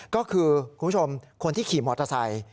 ก็คือคุณผู้ชมคนที่ขี่มอเตอร์ไซค์